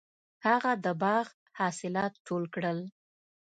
هغه د باغ حاصلات ټول کړل.